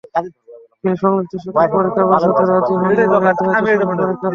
কিন্তু সংশ্লিষ্ট শিক্ষক পরীক্ষা পেছাতে রাজি হননি বলে নির্ধারিত সময়েই পরীক্ষা হয়।